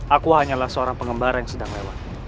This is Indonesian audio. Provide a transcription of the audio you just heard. aku hanyalah seorang pengembara yang sedang lewat